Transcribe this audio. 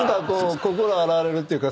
心洗われるっていうか。